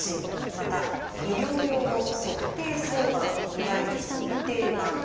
また医療用の「足底挿板」いわゆる「足底板」。